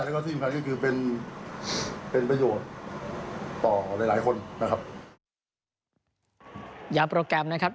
และที่สำคัญก็คือเป็นประโยชน์ต่อหลายคนนะครับ